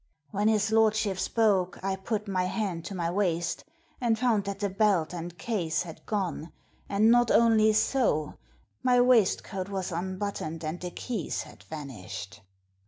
" When his lordship spoke I put my hand to my waist and found that the belt and case had gone, and not only so, my waistcoat was unbuttoned and the keys had vanished.